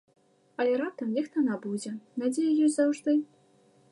Але раптам нехта набудзе, надзея ёсць заўжды.